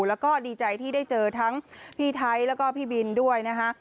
แล้วก็ดีใจที่ได้เจอทั้งพี่ไทยแล้วก็พี่บินด้วยนะคะ